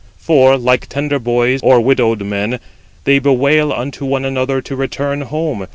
For, like tender boys, or widowed women, they bewail unto one another to return home.